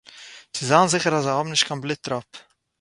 צו זיין זיכער אַז זיי האָבן נישט קיין בלוט-טראָפּ